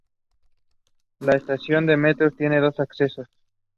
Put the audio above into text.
She married Ern Jones and they had four children together.